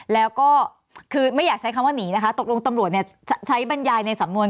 แล้วก็คือไม่อยากใช้คำว่าหนีนะคะตกลงตำรวจใช้บรรยายในสำนวน